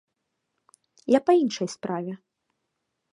Я па іншай справе.